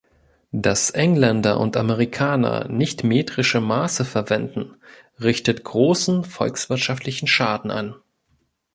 Dass Engländer und Amerikaner nicht-metrische Maße verwenden, richtet großen volkswirtschaftlichen Schaden an.